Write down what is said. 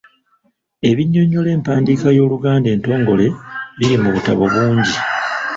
Ebinnyonnyola empandiika y'Oluganda entongole biri mu butabo bungi.